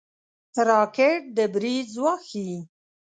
راکټ د برید ځواک ښيي